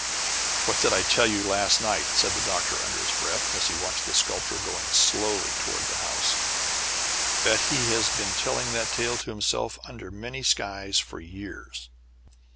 "What did I tell you last night?" said the Doctor, under his breath, as he watched the Sculptor going slowly toward the house. "Bet he has been telling that tale to himself under many skies for years!"